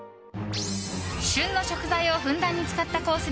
旬の食材をふんだんに使ったコース